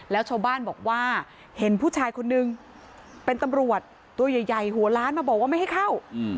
แล้วชาวบ้านบอกว่าเห็นผู้ชายคนนึงเป็นตำรวจตัวใหญ่หัวล้านมาบอกว่าไม่ให้เข้า